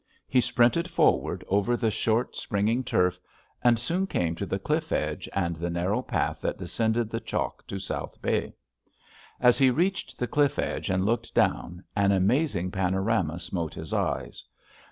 He sprinted forward over the short springing turf, and soon came to the cliff edge and the narrow path that descended the chalk to South Bay. As he reached the cliff edge and looked down an amazing panorama smote his eyes.